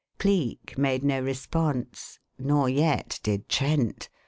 Cleek made no response; nor yet did Trent.